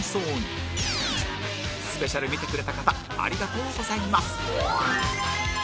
スペシャル見てくれた方ありがとうございます